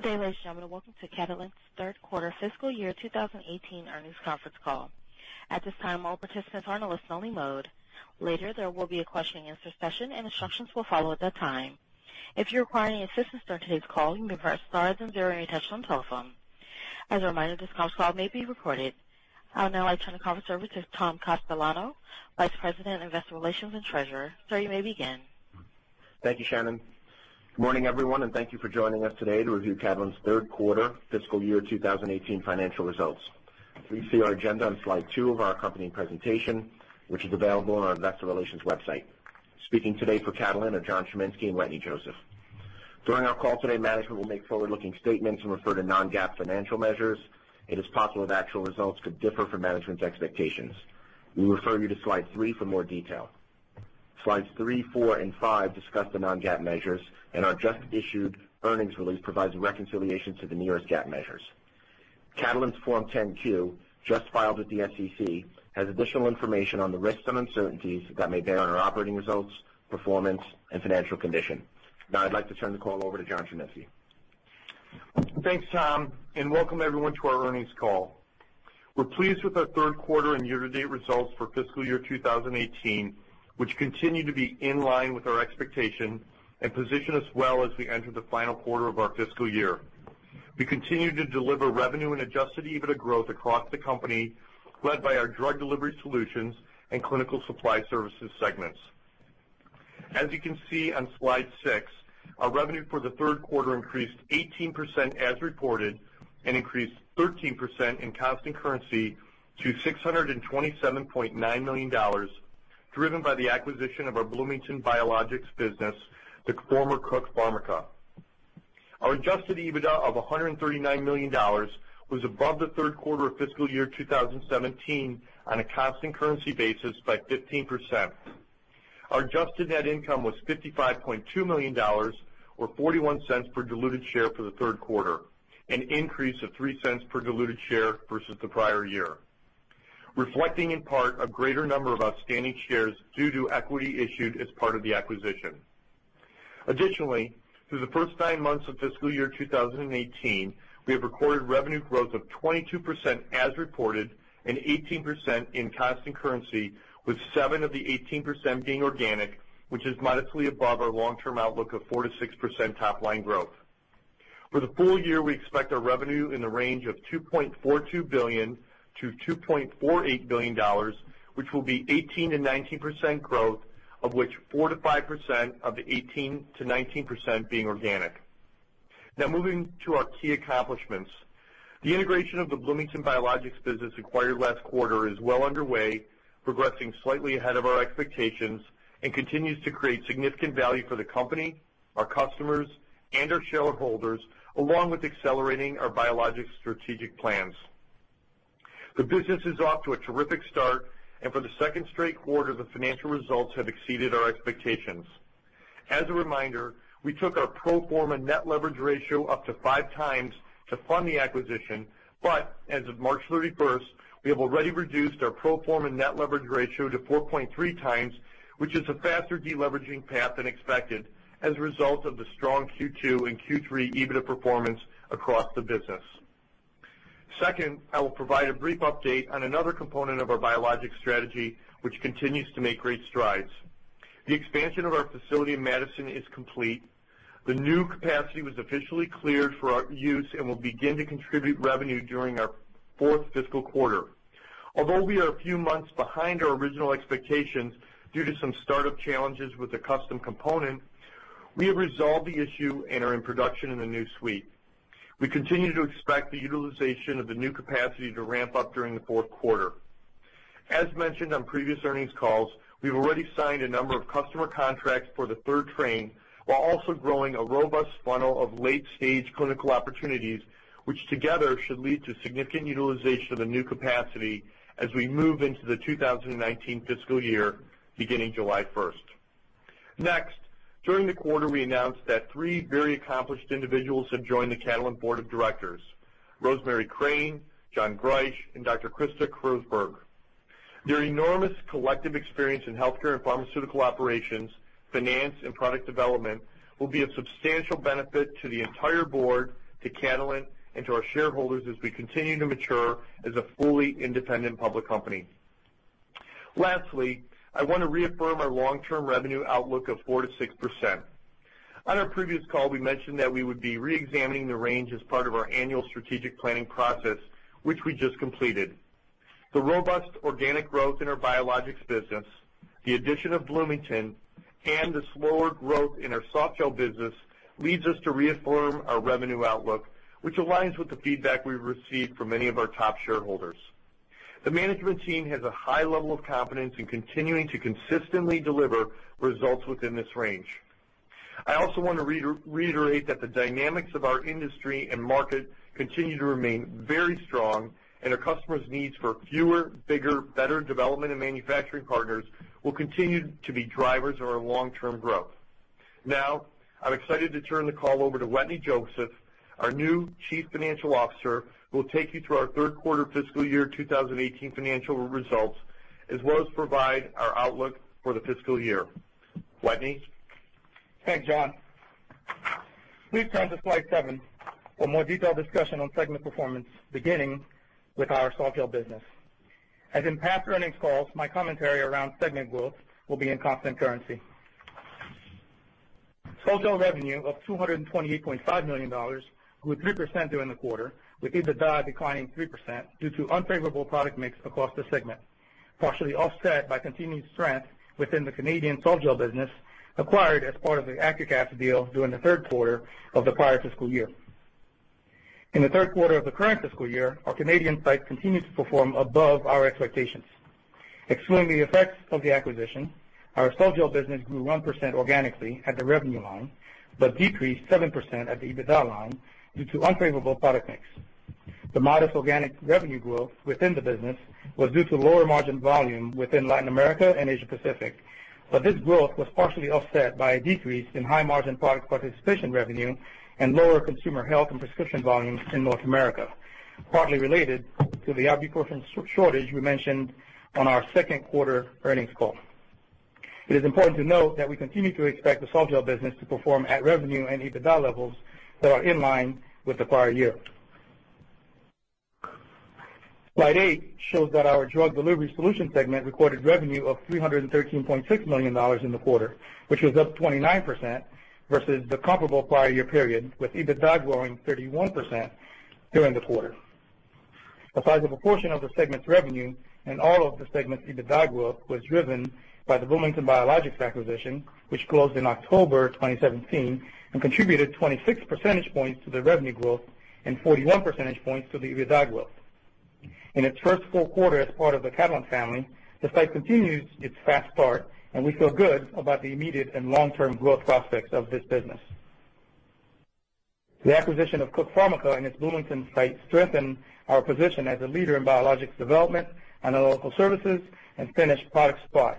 Good day, ladies and gentlemen. Welcome to Catalent's third quarter fiscal year 2018 earnings conference call. At this time, all participants are in a listen-only mode. Later, there will be a question-and-answer session, and instructions will follow at that time. If you require any assistance during today's call, you may press star, then zero on any touchtone telephone. As a reminder, this conference call may be recorded. I'll now turn the conference over to Tom Castellano, Vice President of Investor Relations and Treasurer. Sir, you may begin. Thank you, Shannon. Good morning, everyone, and thank you for joining us today to review Catalent's third quarter fiscal year 2018 financial results. Please see our agenda on slide two of our accompanying presentation, which is available on our Investor Relations website. Speaking today for Catalent are John Chiminski and Wetteny Joseph. During our call today, management will make forward-looking statements and refer to non-GAAP financial measures. It is possible that actual results could differ from management's expectations. We refer you to slide three for more detail. Slides three, four, and five discuss the non-GAAP measures, and our just-issued earnings release provides reconciliation to the nearest GAAP measures. Catalent's Form 10-Q, just filed with the SEC, has additional information on the risks and uncertainties that may bear on our operating results, performance, and financial condition. Now, I'd like to turn the call over to John Chiminski. Thanks, Tom, and welcome everyone to our earnings call. We're pleased with our third quarter and year-to-date results for fiscal year 2018, which continue to be in line with our expectation and position us well as we enter the final quarter of our fiscal year. We continue to deliver revenue and Adjusted EBITDA growth across the company, led by our Drug Delivery Solutions and clinical supply services segments. As you can see on slide six, our revenue for the third quarter increased 18% as reported and increased 13% in constant currency to $627.9 million, driven by the acquisition of our Bloomington Biologics business, the former Cook Pharmica. Our Adjusted EBITDA of $139 million was above the third quarter of fiscal year 2017 on a constant currency basis by 15%. Our adjusted net income was $55.2 million, or $0.41 per diluted share for the third quarter, an increase of $0.03 per diluted share versus the prior year, reflecting in part a greater number of outstanding shares due to equity issued as part of the acquisition. Additionally, through the first nine months of fiscal year 2018, we have recorded revenue growth of 22% as reported and 18% in constant currency, with 7 of the 18% being organic, which is modestly above our long-term outlook of 4%-6% top-line growth. For the full year, we expect our revenue in the range of $2.42 billion-$2.48 billion, which will be 18%-19% growth, of which 4%-5% of the 18%-19% being organic. Now, moving to our key accomplishments. The integration of the Bloomington Biologics business acquired last quarter is well underway, progressing slightly ahead of our expectations, and continues to create significant value for the company, our customers, and our shareholders, along with accelerating our biologics strategic plans. The business is off to a terrific start, and for the second straight quarter, the financial results have exceeded our expectations. As a reminder, we took our Pro Forma Net Leverage Ratio up to five times to fund the acquisition, but as of March 31st, we have already reduced our Pro Forma Net Leverage Ratio to 4.3 times, which is a faster deleveraging path than expected as a result of the strong Q2 and Q3 EBITDA performance across the business. Second, I will provide a brief update on another component of our biologics strategy, which continues to make great strides. The expansion of our facility in Madison is complete. The new capacity was officially cleared for our use and will begin to contribute revenue during our fourth fiscal quarter. Although we are a few months behind our original expectations due to some startup challenges with the custom component, we have resolved the issue and are in production in the new suite. We continue to expect the utilization of the new capacity to ramp up during the fourth quarter. As mentioned on previous earnings calls, we've already signed a number of customer contracts for the third train, while also growing a robust funnel of late-stage clinical opportunities, which together should lead to significant utilization of the new capacity as we move into the 2019 fiscal year beginning July 1st. Next, during the quarter, we announced that three very accomplished individuals have joined the Catalent Board of Directors: Rosemary Crane, John Greisch, and Dr. Christa Kreuzburg. Their enormous collective experience in healthcare and pharmaceutical operations, finance, and product development will be of substantial benefit to the entire board, to Catalent, and to our shareholders as we continue to mature as a fully independent public company. Lastly, I want to reaffirm our long-term revenue outlook of 4%-6%. On our previous call, we mentioned that we would be re-examining the range as part of our annual strategic planning process, which we just completed. The robust organic growth in our biologics business, the addition of Bloomington, and the slower growth in our softgel business leads us to reaffirm our revenue outlook, which aligns with the feedback we've received from many of our top shareholders. The management team has a high level of confidence in continuing to consistently deliver results within this range. I also want to reiterate that the dynamics of our industry and market continue to remain very strong, and our customers' needs for fewer, bigger, better development and manufacturing partners will continue to be drivers of our long-term growth. Now, I'm excited to turn the call over to Wetteny Joseph, our new Chief Financial Officer, who will take you through our third quarter fiscal year 2018 financial results, as well as provide our outlook for the fiscal year. Wetteny. Thanks, John. Please turn to slide seven for more detailed discussion on segment performance, beginning with our softgel business. As in past earnings calls, my commentary around segment growth will be in constant currency. Softgel revenue of $228.5 million grew 3% during the quarter, with EBITDA declining 3% due to unfavorable product mix across the segment, partially offset by continued strength within the Canadian softgel business acquired as part of the AccuCaps deal during the third quarter of the prior fiscal year. In the third quarter of the current fiscal year, our Canadian site continued to perform above our expectations. Explaining the effects of the acquisition, our softgel business grew 1% organically at the revenue line, but decreased 7% at the EBITDA line due to unfavorable product mix. The modest organic revenue growth within the business was due to lower margin volume within Latin America and Asia Pacific, but this growth was partially offset by a decrease in high margin product participation revenue and lower consumer health and prescription volume in North America, partly related to the ibuprofen shortage we mentioned on our second quarter earnings call. It is important to note that we continue to expect the softgel business to perform at revenue and EBITDA levels that are in line with the prior year. Slide eight shows that our drug delivery solution segment recorded revenue of $313.6 million in the quarter, which was up 29% versus the comparable prior year period, with EBITDA growing 31% during the quarter. A sizable portion of the segment's revenue and all of the segment's EBITDA growth was driven by the Bloomington Biologics acquisition, which closed in October 2017 and contributed 26 percentage points to the revenue growth and 41 percentage points to the EBITDA growth. In its first full quarter as part of the Catalent family, the site continues its fast start, and we feel good about the immediate and long-term growth prospects of this business. The acquisition of Cook Pharmica and its Bloomington site strengthened our position as a leader in biologics development, analytical services, and finished product supply.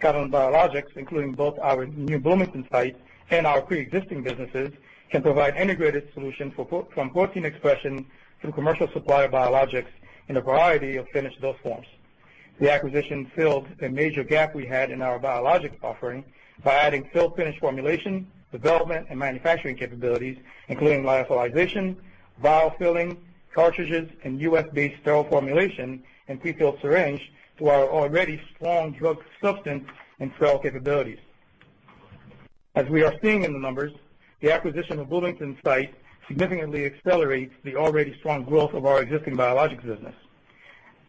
Catalent Biologics, including both our new Bloomington site and our pre-existing businesses, can provide integrated solutions from protein expression to commercial supply of biologics in a variety of finished dose forms. The acquisition filled a major gap we had in our biologics offering by adding fill-finish formulation, development, and manufacturing capabilities, including lyophilization, vial filling, cartridges, and U.S.-based sterile formulation and prefilled syringe to our already strong drug substance and sterile capabilities. As we are seeing in the numbers, the acquisition of Bloomington's site significantly accelerates the already strong growth of our existing biologics business.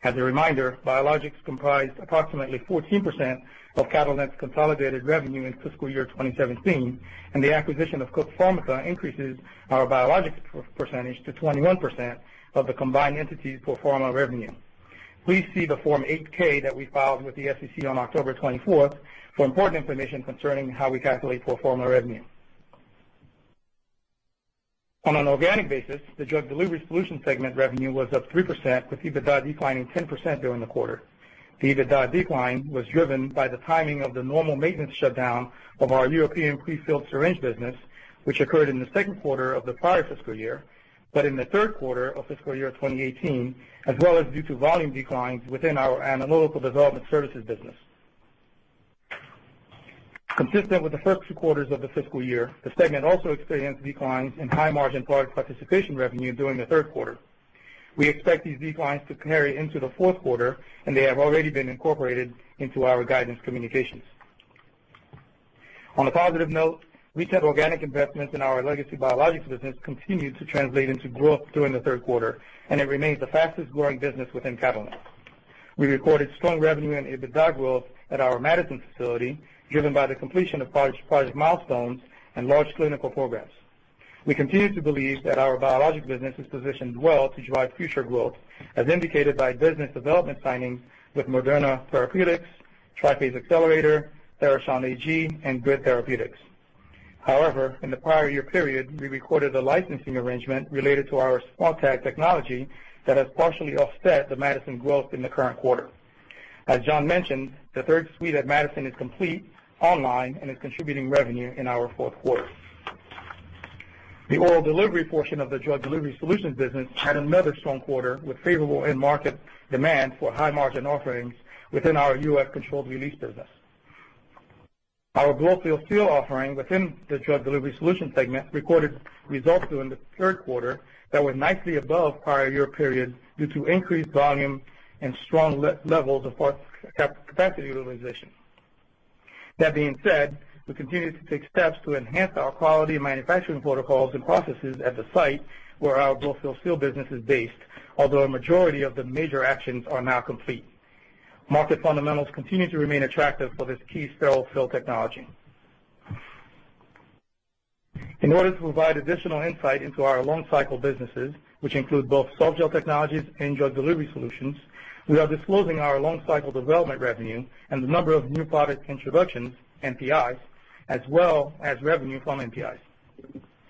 As a reminder, biologics comprised approximately 14% of Catalent's consolidated revenue in fiscal year 2017, and the acquisition of Cook Pharmica increases our biologics percentage to 21% of the combined entity's pro forma revenue. Please see the Form 8-K that we filed with the SEC on October 24th for important information concerning how we calculate pro forma revenue. On an organic basis, the drug delivery solution segment revenue was up 3%, with EBITDA declining 10% during the quarter. The EBITDA decline was driven by the timing of the normal maintenance shutdown of our European prefilled syringe business, which occurred in the second quarter of the prior fiscal year, but in the third quarter of fiscal year 2018, as well as due to volume declines within our analytical development services business. Consistent with the first two quarters of the fiscal year, the segment also experienced declines in high margin product participation revenue during the third quarter. We expect these declines to carry into the fourth quarter, and they have already been incorporated into our guidance communications. On a positive note, recent organic investments in our legacy biologics business continue to translate into growth during the third quarter, and it remains the fastest-growing business within Catalent. We recorded strong revenue and EBITDA growth at our Madison facility, driven by the completion of project milestones and large clinical programs. We continue to believe that our biologics business is positioned well to drive future growth, as indicated by business development signings with Moderna Therapeutics, Triphase Accelerator, Therachon AG, and Grid Therapeutics. However, in the prior year period, we recorded a licensing arrangement related to our SMARTag technology that has partially offset the Madison growth in the current quarter. As John mentioned, the third suite at Madison is complete, online, and is contributing revenue in our fourth quarter. The oral delivery portion of the drug delivery solutions business had another strong quarter with favorable end-market demand for high-margin offerings within our U.S.-controlled release business. Our Blow-Fill-Seal offering within the drug delivery solutions segment recorded results during the third quarter that were nicely above prior year period due to increased volume and strong levels of capacity utilization. That being said, we continue to take steps to enhance our quality and manufacturing protocols and processes at the site where our Blow-Fill-Seal business is based, although a majority of the major actions are now complete. Market fundamentals continue to remain attractive for this key sterile fill technology. In order to provide additional insight into our long-cycle businesses, which include both Softgel Technologies and drug delivery solutions, we are disclosing our long-cycle development revenue and the number of new product introductions, NPIs, as well as revenue from NPIs.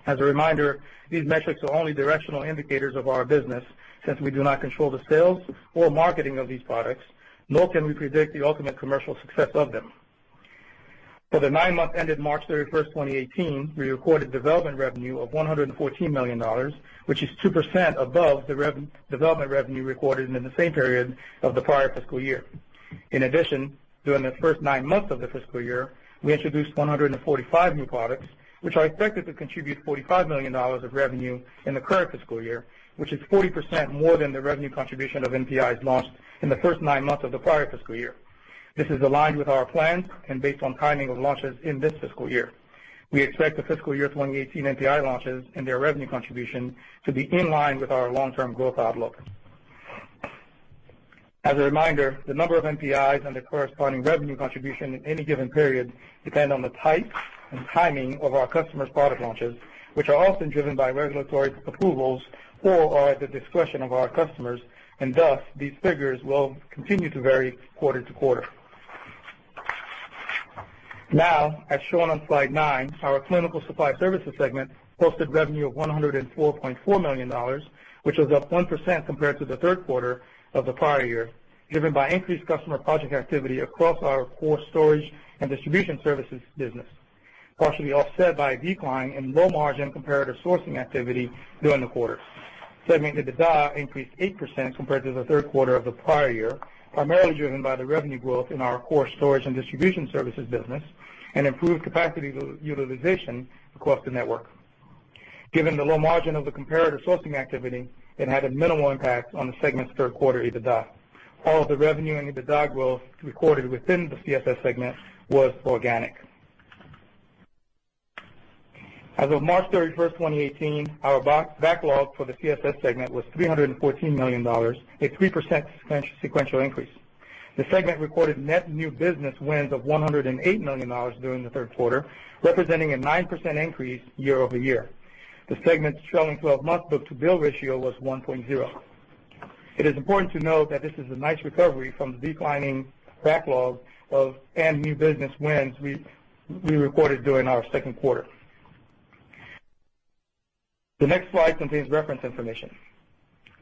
As a reminder, these metrics are only directional indicators of our business since we do not control the sales or marketing of these products, nor can we predict the ultimate commercial success of them. For the nine-month ended March 31st, 2018, we recorded development revenue of $114 million, which is 2% above the development revenue recorded in the same period of the prior fiscal year. In addition, during the first nine months of the fiscal year, we introduced 145 new products, which are expected to contribute $45 million of revenue in the current fiscal year, which is 40% more than the revenue contribution of NPIs launched in the first nine months of the prior fiscal year. This is aligned with our plans and based on timing of launches in this fiscal year. We expect the fiscal year 2018 NPI launches and their revenue contribution to be in line with our long-term growth outlook. As a reminder, the number of NPIs and the corresponding revenue contribution in any given period depend on the type and timing of our customers' product launches, which are often driven by regulatory approvals or are at the discretion of our customers, and thus these figures will continue to vary quarter to quarter. Now, as shown on slide nine, our clinical supply services segment posted revenue of $104.4 million, which was up 1% compared to the third quarter of the prior year, driven by increased customer project activity across our core storage and distribution services business, partially offset by a decline in low-margin comparator sourcing activity during the quarter. Segment EBITDA increased 8% compared to the third quarter of the prior year, primarily driven by the revenue growth in our core storage and distribution services business and improved capacity utilization across the network. Given the low margin of the comparator sourcing activity, it had a minimal impact on the segment's third quarter EBITDA. All of the revenue and EBITDA growth recorded within the CSS segment was organic. As of March 31st, 2018, our backlog for the CSS segment was $314 million, a 3% sequential increase. The segment recorded net new business wins of $108 million during the third quarter, representing a 9% increase year over year. The segment's trailing 12-month book-to-bill ratio was 1.0. It is important to note that this is a nice recovery from the declining backlog of new business wins we recorded during our second quarter. The next slide contains reference information.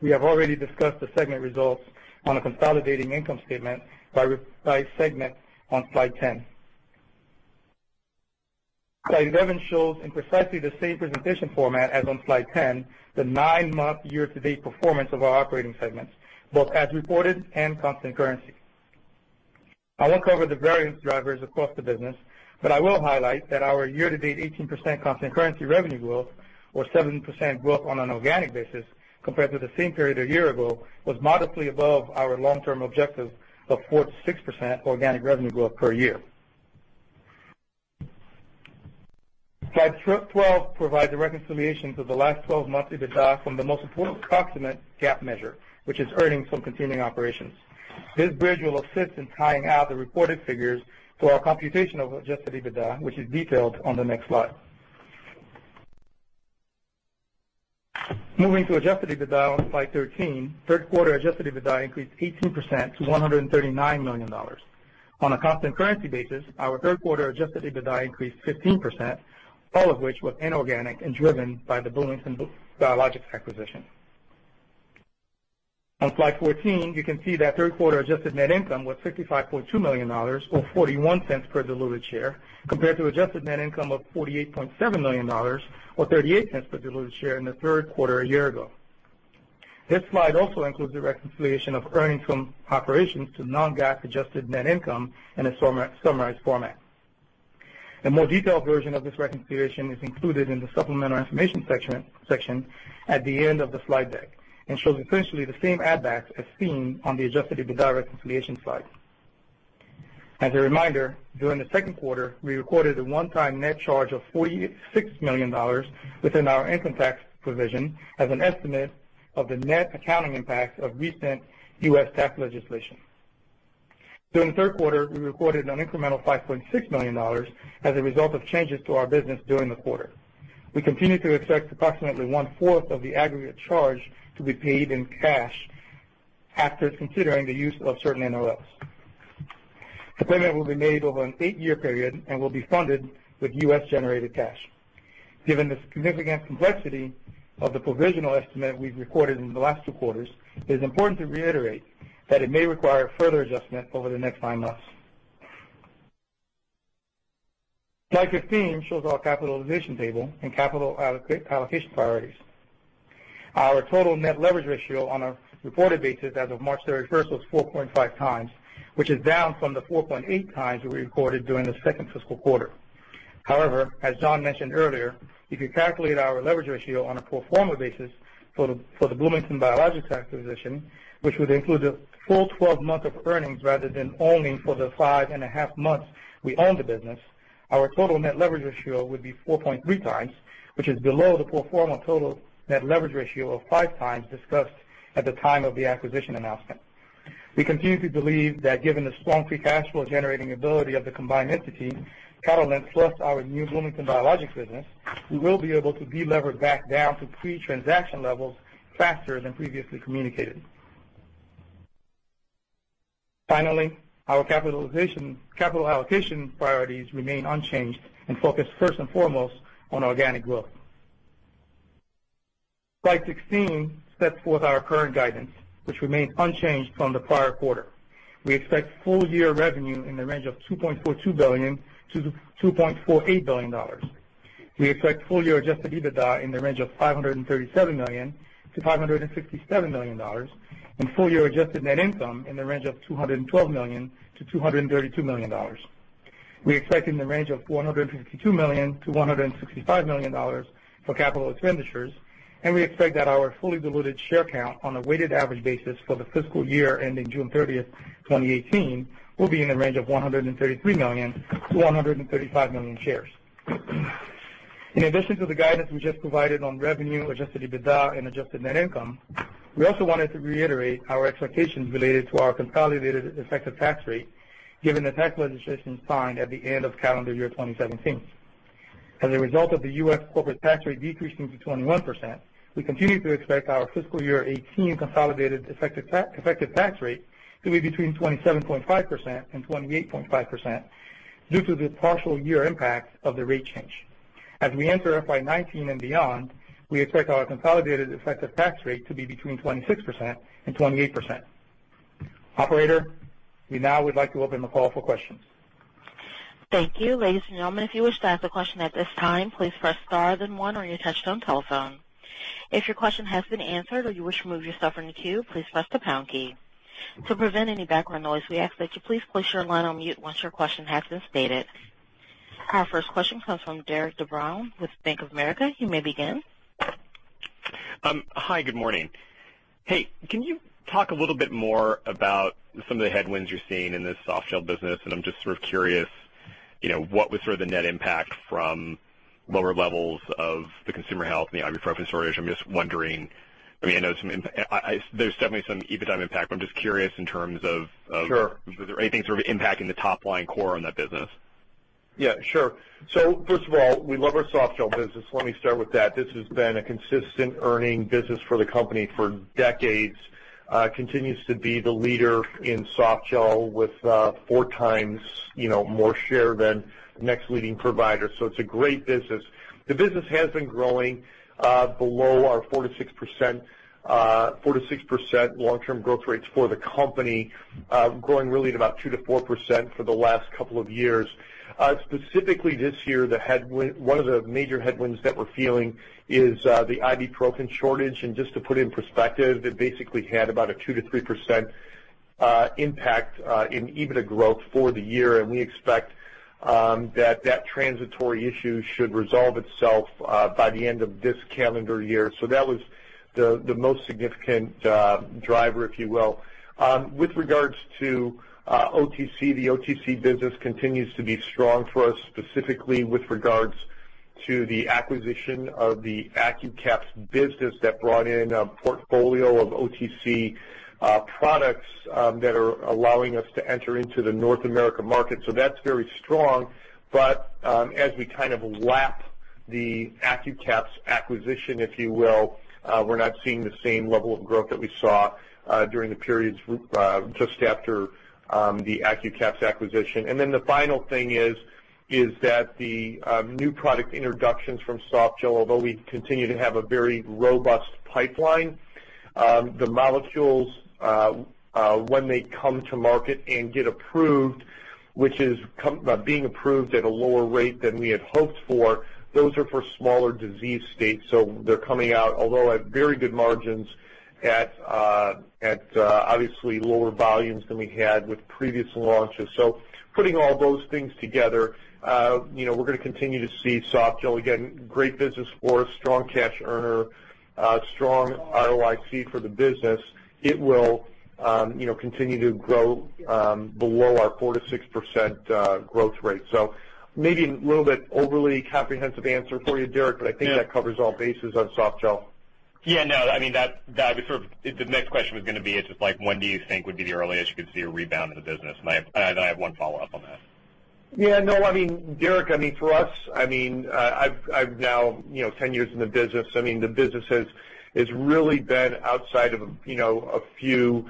We have already discussed the segment results on a consolidating income statement by segment on slide 10. Slide 11 shows in precisely the same presentation format as on slide 10 the nine-month year-to-date performance of our operating segments, both as reported and constant currency. I won't cover the variance drivers across the business, but I will highlight that our year-to-date 18% constant currency revenue growth, or 7% growth on an organic basis compared to the same period a year ago, was modestly above our long-term objective of 4%-6% organic revenue growth per year. Slide 12 provides a reconciliation to the last 12-month EBITDA from the most important approximate GAAP measure, which is earnings from continuing operations. This bridge will assist in tying out the reported figures to our computation of adjusted EBITDA, which is detailed on the next slide. Moving to adjusted EBITDA on slide 13, third-quarter adjusted EBITDA increased 18% to $139 million. On a constant currency basis, our third-quarter adjusted EBITDA increased 15%, all of which was inorganic and driven by the Bloomington Biologics acquisition. On slide 14, you can see that third-quarter adjusted net income was $55.2 million, or $0.41 per diluted share, compared to adjusted net income of $48.7 million, or $0.38 per diluted share in the third quarter a year ago. This slide also includes a reconciliation of earnings from operations to non-GAAP adjusted net income in a summarized format. A more detailed version of this reconciliation is included in the supplemental information section at the end of the slide deck and shows essentially the same add-backs as seen on the adjusted EBITDA reconciliation slide. As a reminder, during the second quarter, we recorded a one-time net charge of $46 million within our income tax provision as an estimate of the net accounting impact of recent U.S. tax legislation. During the third quarter, we recorded an incremental $5.6 million as a result of changes to our business during the quarter. We continue to expect approximately one-fourth of the aggregate charge to be paid in cash after considering the use of certain NOLs. The payment will be made over an eight-year period and will be funded with U.S.-generated cash. Given the significant complexity of the provisional estimate we've recorded in the last two quarters, it is important to reiterate that it may require further adjustment over the next nine months. Slide 15 shows our capitalization table and capital allocation priorities. Our total net leverage ratio on a reported basis as of March 31st was 4.5 times, which is down from the 4.8 times we recorded during the second fiscal quarter. However, as John mentioned earlier, if you calculate our leverage ratio on a pro forma basis for the Bloomington Biologics acquisition, which would include the full 12 months of earnings rather than only for the five and a half months we own the business, our total net leverage ratio would be 4.3 times, which is below the pro forma total net leverage ratio of five times discussed at the time of the acquisition announcement. We continue to believe that given the strong free cash flow generating ability of the combined entity, Catalent plus our new Bloomington Biologics business, we will be able to deleverage back down to pre-transaction levels faster than previously communicated. Finally, our capital allocation priorities remain unchanged and focus first and foremost on organic growth. Slide 16 sets forth our current guidance, which remains unchanged from the prior quarter. We expect full year revenue in the range of $2.42-$2.48 billion. We expect full year adjusted EBITDA in the range of $537-$567 million, and full year adjusted net income in the range of $212-$232 million. We expect in the range of $152-$165 million for capital expenditures, and we expect that our fully diluted share count on a weighted average basis for the fiscal year ending June 30th, 2018, will be in the range of $133-$135 million shares. In addition to the guidance we just provided on revenue, Adjusted EBITDA, and Adjusted Net Income, we also wanted to reiterate our expectations related to our consolidated effective tax rate, given the tax legislation signed at the end of calendar year 2017. As a result of the U.S. corporate tax rate decreasing to 21%, we continue to expect our fiscal year 2018 consolidated effective tax rate to be between 27.5%-28.5% due to the partial year impact of the rate change. As we enter FY 2019 and beyond, we expect our consolidated effective tax rate to be between 26%-28%. Operator, we now would like to open the call for questions. Thank you. Ladies and gentlemen, if you wish to ask a question at this time, please press star then one or you can touchtone telephone. If your question has been answered or you wish to move yourself into queue, please press the pound key. To prevent any background noise, we ask that you please place your line on mute once your question has been stated. Our first question comes from Derik de Bruin with Bank of America. You may begin. Hi, good morning. Hey, can you talk a little bit more about some of the headwinds you're seeing in this soft gel business? And I'm just sort of curious, what was sort of the net impact from lower levels of the consumer health and the ibuprofen shortage? I'm just wondering. I mean, I know there's definitely some EBITDA impact, but I'm just curious in terms of. Sure. Is there anything sort of impacting the top line core on that business? Yeah, sure. So first of all, we love our soft gel business. Let me start with that. This has been a consistent earnings business for the company for decades. It continues to be the leader in softgel with four times more share than next leading providers, so it's a great business. The business has been growing below our 4%-6%, 4%-6% long-term growth rates for the company, growing really at about 2%-4% for the last couple of years. Specifically this year, one of the major headwinds that we're feeling is the ibuprofen shortage. And just to put it in perspective, it basically had about a 2%-3% impact in EBITDA growth for the year. And we expect that that transitory issue should resolve itself by the end of this calendar year, so that was the most significant driver, if you will. With regards to OTC, the OTC business continues to be strong for us, specifically with regards to the acquisition of the AccuCaps business that brought in a portfolio of OTC products that are allowing us to enter into the North America market. So that's very strong. But as we kind of lap the AccuCaps acquisition, if you will, we're not seeing the same level of growth that we saw during the periods just after the AccuCaps acquisition. And then the final thing is that the new product introductions from softgel, although we continue to have a very robust pipeline, the molecules, when they come to market and get approved, which is being approved at a lower rate than we had hoped for, those are for smaller disease states. So they're coming out, although at very good margins at obviously lower volumes than we had with previous launches. So putting all those things together, we're going to continue to see softgel again. Great business for us, strong cash earner, strong ROIC for the business. It will continue to grow below our 4%-6% growth rate. So maybe a little bit overly comprehensive answer for you, Derek, but I think that covers all bases on softgel. Yeah, no. I mean, that was sort of the next question was going to be just like, when do you think would be the earliest you could see a rebound in the business? And I have one follow-up on that. Yeah, no. I mean, Derek, I mean, for us, I mean, I've now 10 years in the business. I mean, the business has really been outside of a few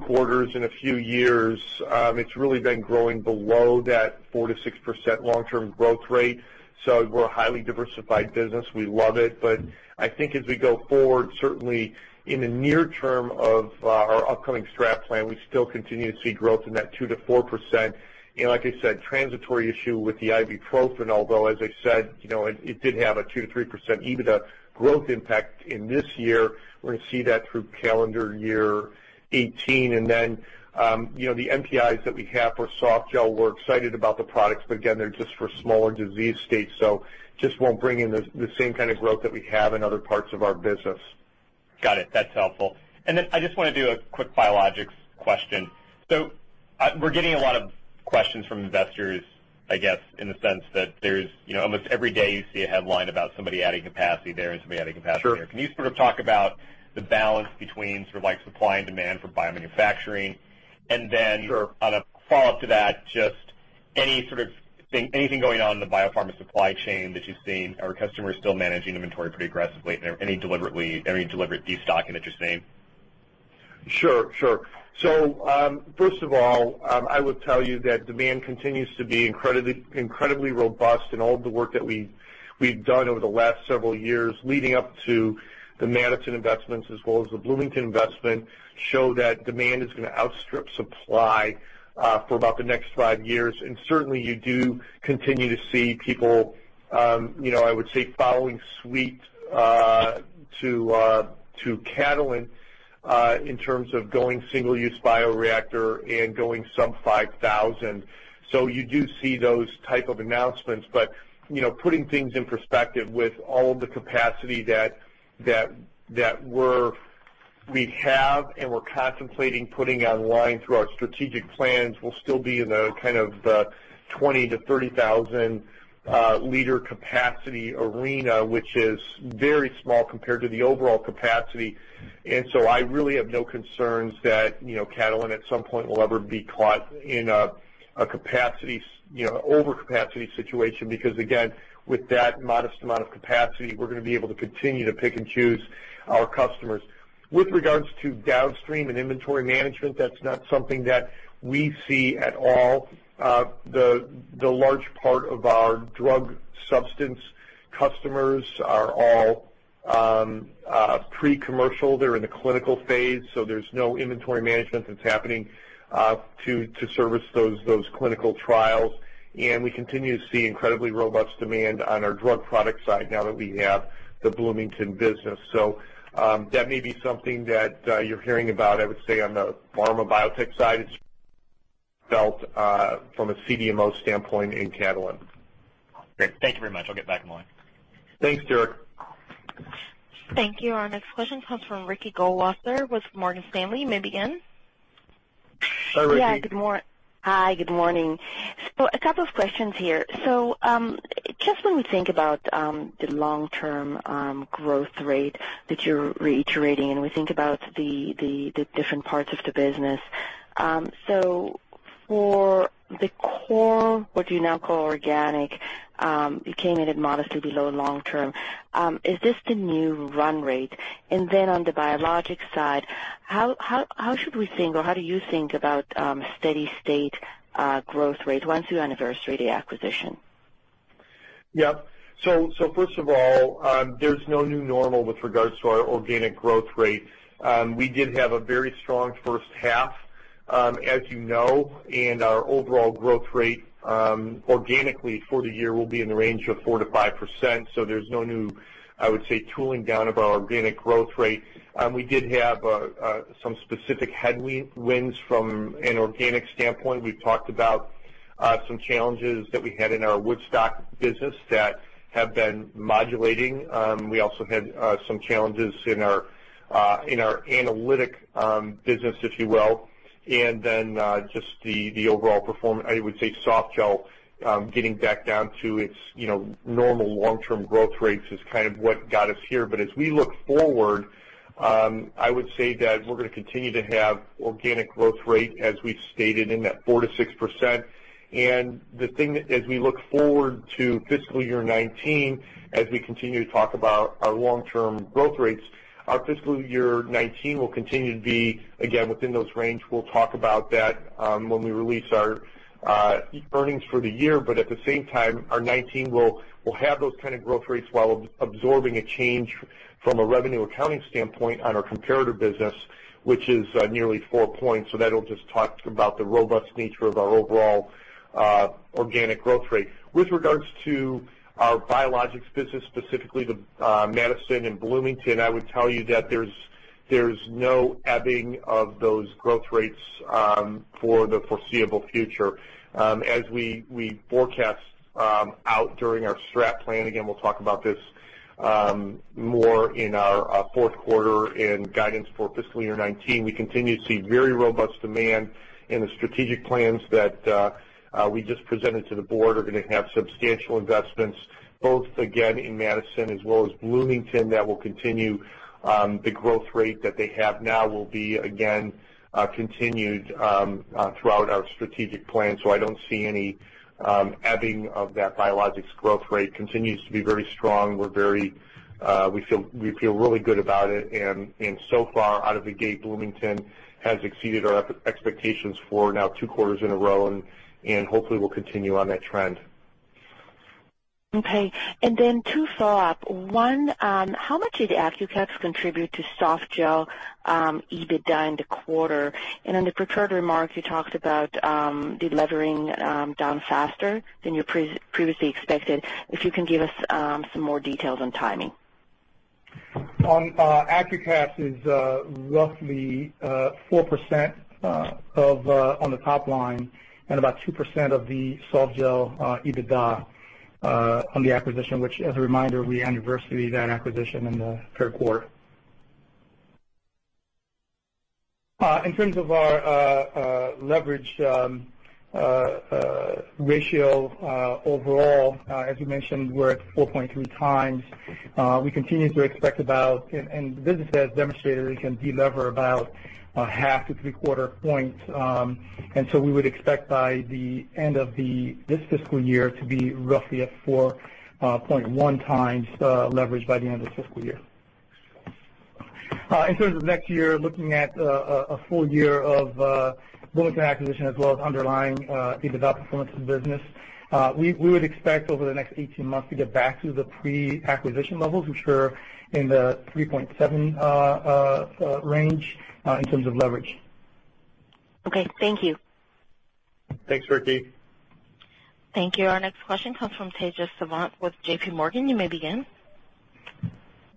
quarters and a few years. It's really been growing below that 4%-6% long-term growth rate. So we're a highly diversified business. We love it. But I think as we go forward, certainly in the near term of our upcoming strat plan, we still continue to see growth in that 2%-4%. And like I said, transitory issue with the ibuprofen, although, as I said, it did have a 2%-3% EBITDA growth impact in this year. We're going to see that through calendar year 2018. And then the NPIs that we have for softgel, we're excited about the products, but again, they're just for smaller disease states. So just won't bring in the same kind of growth that we have in other parts of our business. Got it. That's helpful. And then I just want to do a quick biologics question. So we're getting a lot of questions from investors, I guess, in the sense that there's almost every day you see a headline about somebody adding capacity there and somebody adding capacity there. Can you sort of talk about the balance between sort of supply and demand for biomanufacturing? And then on a follow-up to that, just any sort of thing, anything going on in the biopharma supply chain that you've seen? Are customers still managing inventory pretty aggressively? Any deliberate destocking that you're seeing? Sure, sure. So first of all, I would tell you that demand continues to be incredibly robust, and all the work that we've done over the last several years leading up to the Madison investments as well as the Bloomington investment show that demand is going to outstrip supply for about the next five years. Certainly, you do continue to see people, I would say, following suit to Catalent in terms of going single-use bioreactor and going sub-5,000. So you do see those type of announcements. But putting things in perspective with all of the capacity that we have and we're contemplating putting online through our strategic plans will still be in the kind of 20-30 thousand-liter capacity arena, which is very small compared to the overall capacity. I really have no concerns that Catalent at some point will ever be caught in an overcapacity situation because, again, with that modest amount of capacity, we're going to be able to continue to pick and choose our customers. With regards to downstream and inventory management, that's not something that we see at all. The large part of our drug substance customers are all pre-commercial. They're in the clinical phase. So there's no inventory management that's happening to service those clinical trials. And we continue to see incredibly robust demand on our drug product side now that we have the Bloomington business. So that may be something that you're hearing about, I would say, on the pharma biotech side. It's felt from a CDMO standpoint in Catalent. Great. Thank you very much. I'll get back in line. Thanks, Derek. Thank you. Our next question comes from Ricky Goldwasser with Morgan Stanley. You may begin. Hi, Ricky. Yeah, good morning. Hi, good morning. So a couple of questions here. So just when we think about the long-term growth rate that you're reiterating and we think about the different parts of the business, so for the core, what you now call organic, you came in at modestly below long-term. Is this the new run rate? And then on the biologics side, how should we think or how do you think about steady-state growth rate once you anniversary the acquisition? Yep. So first of all, there's no new normal with regards to our organic growth rate. We did have a very strong first half, as you know, and our overall growth rate organically for the year will be in the range of 4%-5%. So there's no new, I would say, cooling down of our organic growth rate. We did have some specific headwinds from an organic standpoint. We've talked about some challenges that we had in our Woodstock business that have been moderating. We also had some challenges in our analytics business, if you will. And then just the overall performance, I would say softgel getting back down to its normal long-term growth rates is kind of what got us here. As we look forward, I would say that we're going to continue to have organic growth rate as we stated in that 4%-6%. The thing that, as we look forward to fiscal year 2019, as we continue to talk about our long-term growth rates, our fiscal year 2019 will continue to be, again, within those range. We'll talk about that when we release our earnings for the year. At the same time, our 2019 will have those kind of growth rates while absorbing a change from a revenue accounting standpoint on our comparator business, which is nearly four points. So that'll just talk about the robust nature of our overall organic growth rate. With regards to our biologics business, specifically the Madison and Bloomington, I would tell you that there's no ebbing of those growth rates for the foreseeable future. As we forecast out during our strat plan, again, we'll talk about this more in our fourth quarter and guidance for fiscal year 2019. We continue to see very robust demand, and the strategic plans that we just presented to the board are going to have substantial investments, both again in Madison as well as Bloomington, that will continue the growth rate that they have now will be, again, continued throughout our strategic plan. So I don't see any ebbing of that biologics growth rate. Continues to be very strong. We feel really good about it. And so far, out of the gate, Bloomington has exceeded our expectations for now two quarters in a row, and hopefully we'll continue on that trend. Okay. And then two follow-up. One, how much did AccuCaps contribute to softgel EBITDA in the quarter? On the preparatory mark, you talked about delivering down faster than you previously expected. If you can give us some more details on timing. AccuCaps is roughly 4% on the top line and about 2% of the softgel EBITDA on the acquisition, which, as a reminder, we anniversary that acquisition in the third quarter. In terms of our leverage ratio overall, as you mentioned, we're at 4.3 times. We continue to expect about, and the business has demonstrated it can deliver about half to three-quarter points. So we would expect by the end of this fiscal year to be roughly at 4.1 times leverage by the end of this fiscal year. In terms of next year, looking at a full year of Bloomington acquisition as well as underlying EBITDA performance of the business, we would expect over the next 18 months to get back to the pre-acquisition levels, which are in the 3.7 range in terms of leverage. Okay. Thank you. Thanks, Ricky. Thank you. Our next question comes from Tejas Savant with JPMorgan. You may begin.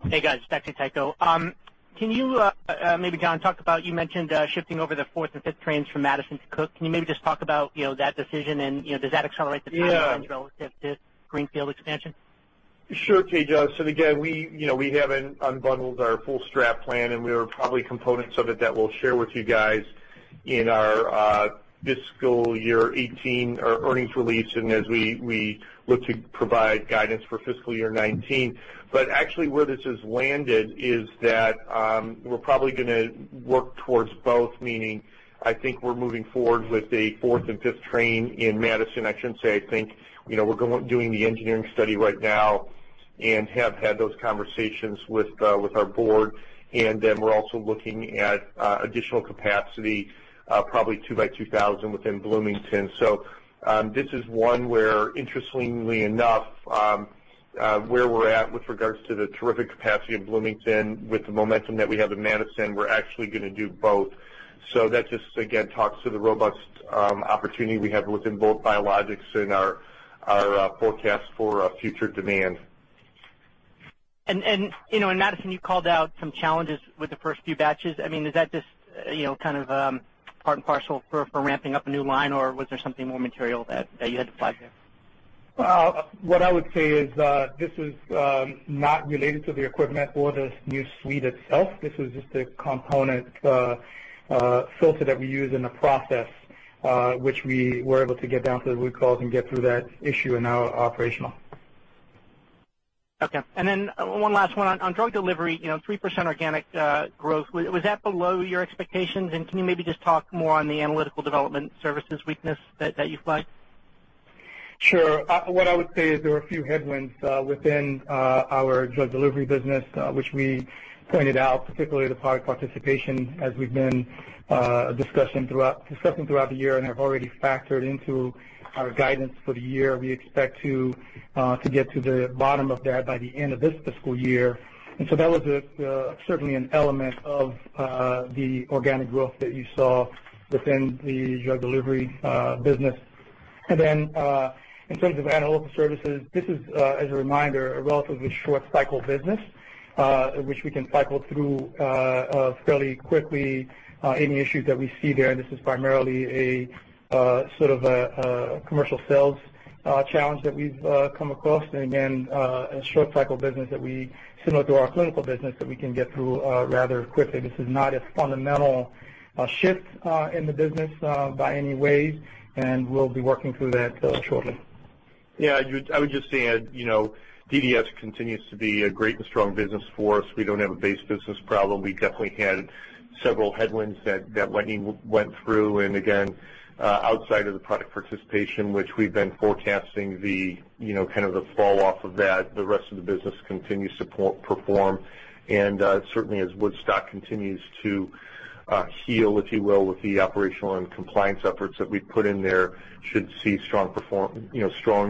Hey, guys. Back to Tito. Can you maybe, John, talk about you mentioned shifting over the fourth and fifth trains from Madison to Cook. Can you maybe just talk about that decision, and does that accelerate the timelines relative to Greenfield expansion? Sure, Tejas. And again, we haven't unbundled our full strat plan, and we have probably components of it that we'll share with you guys in our fiscal year 2018 earnings release and as we look to provide guidance for fiscal year 2019. But actually, where this has landed is that we're probably going to work towards both, meaning I think we're moving forward with the fourth and fifth train in Madison. I shouldn't say I think. We're doing the engineering study right now and have had those conversations with our board. And then we're also looking at additional capacity, probably two by 2,000 within Bloomington. So this is one where, interestingly enough, where we're at with regards to the terrific capacity of Bloomington with the momentum that we have in Madison, we're actually going to do both. So that just, again, talks to the robust opportunity we have within both biologics and our forecast for future demand. And in Madison, you called out some challenges with the first few batches. I mean, is that just kind of part and parcel for ramping up a new line, or was there something more material that you had to flag there? What I would say is this is not related to the equipment or the new suite itself. This was just a component filter that we use in the process, which we were able to get down to the root cause and get through that issue and now operational. Okay. And then one last one on drug delivery, 3% organic growth. Was that below your expectations? And can you maybe just talk more on the analytical development services weakness that you flagged? Sure. What I would say is there are a few headwinds within our drug delivery business, which we pointed out, particularly the product participation, as we've been discussing throughout the year and have already factored into our guidance for the year. We expect to get to the bottom of that by the end of this fiscal year. And so that was certainly an element of the organic growth that you saw within the drug delivery business. And then in terms of analytical services, this is, as a reminder, a relatively short-cycle business, which we can cycle through fairly quickly any issues that we see there. And this is primarily a sort of a commercial sales challenge that we've come across. And again, a short-cycle business that we similar to our clinical business that we can get through rather quickly. This is not a fundamental shift in the business by any ways, and we'll be working through that shortly. Yeah. I would just say DDS continues to be a great and strong business for us. We don't have a base business problem. We definitely had several headwinds that went through. And again, outside of the product participation, which we've been forecasting the kind of the falloff of that, the rest of the business continues to perform. And certainly, as Woodstock continues to heal, if you will, with the operational and compliance efforts that we've put in there, should see strong